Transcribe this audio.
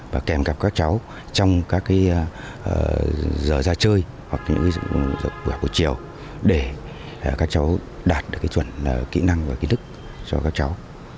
và kèm gặp các cháu trong các giờ ra chơi hoặc những giờ buổi chiều để các cháu đạt được chuẩn kỹ năng và kiến thức cho các cháu